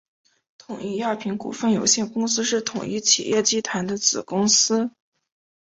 统一药品股份有限公司是统一企业集团的子公司。